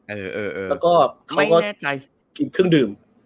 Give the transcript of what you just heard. เออเออเออแล้วก็เค้ากินเครื่องดื่ม